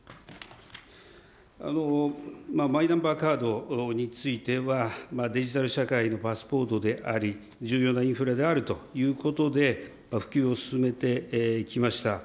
マイナンバーカードについては、デジタル社会のパスポートであり、重要なインフラであるということで、普及を進めてきました。